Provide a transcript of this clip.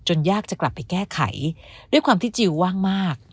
ยากจะกลับไปแก้ไขด้วยความที่จิลว่างมาก